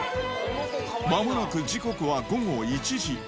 まもなく時刻は午後１時。